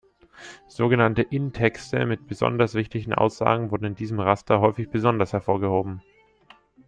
Sogenannte „In-Texte“ mit besonders wichtigen Aussagen wurden in diesem Raster häufig besonders hervorgehoben.